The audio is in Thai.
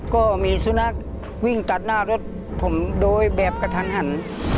ก็มีสุนัขวิ่งตัดหน้ารถผมโดยแบบกระทันหัน